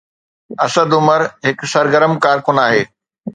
اسد عمر هڪ سرگرم ڪارڪن آهي.